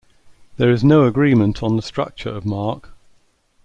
There is no agreement on the structure of Mark.